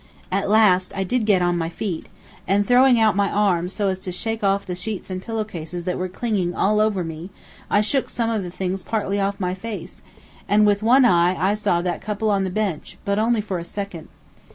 At last I did get on my feet, and throwing out my arms so as to shake off the sheets and pillowcases that were clinging all over me I shook some of the things partly off my face, and with one eye I saw that couple on the bench, but only for a second.